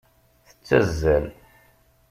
Tettazzal.